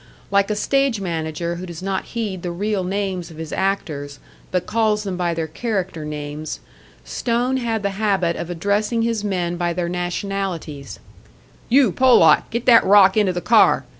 Like a stage manager who does not heed the real names of his actors, but calls them by their character names, Stone had the habit of addressing his men by their nationalities: "You, Polack, get that rock into the car!